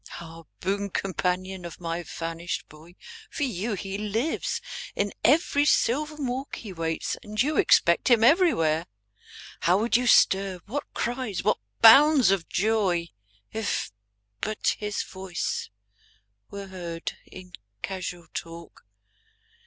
Ah, boon companion of my vanished boy. For you he lives; in every sylvan walk He waits; and you expect him everywhere. How would you stir, what cries, what bounds of joy. If but his voice were heard in casual talk.